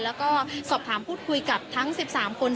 แล้วก็สอบถามพูดคุยกับทั้ง๑๓คน